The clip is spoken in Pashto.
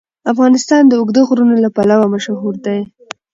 افغانستان د اوږده غرونه لپاره مشهور دی.